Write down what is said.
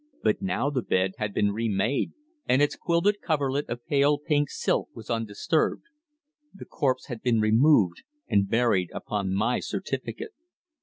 But now the bed had been re made and its quilted coverlet of pale pink silk was undisturbed. The corpse had been removed and buried upon my certificate!